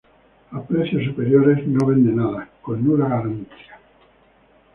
A precios superiores, no vende nada, con nula ganancia.